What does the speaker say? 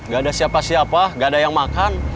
gak ada siapa siapa gak ada yang makan